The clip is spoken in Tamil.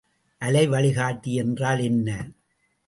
அலைவழிகாட்டி என்றால் என்ன?